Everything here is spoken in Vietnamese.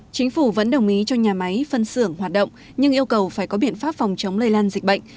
chính phủ vẫn đồng ý cho nhà máy phân xưởng hoạt động nhưng yêu cầu phải có biện pháp phòng chống lây lan dịch bệnh